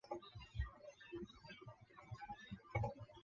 施魏根是德国巴伐利亚州的一个市镇。